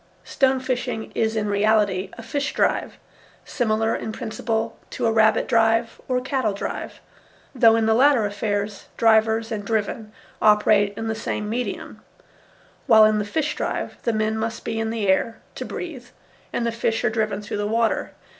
Stone fishing is in reality a fish drive, similar in principle to a rabbit drive or a cattle drive, though in the latter affairs drivers and driven operate in the same medium, while in the fish drive the men must be in the air to breathe and the fish are driven through the water.